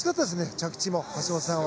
着地も、橋本さんは。